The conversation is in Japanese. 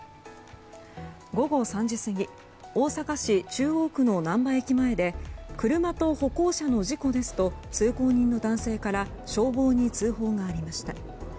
午後３時過ぎ大阪市中央区の難波駅前で車と歩行者の事故ですと通行人の男性から消防に通報がありました。